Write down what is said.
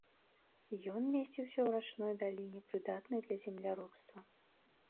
Ён месціўся ў рачной даліне, прыдатнай для земляробства.